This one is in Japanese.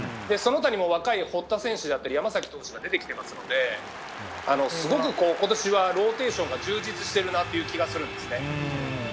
その他にも、若い堀田選手だったり山崎投手が出てきていますので今年はローテーションが充実している気がするんです。